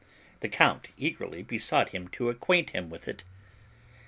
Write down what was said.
The count eagerly besought him to acquaint him with it.